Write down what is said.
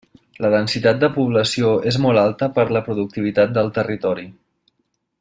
La densitat de població és molt alta per la productivitat del territori.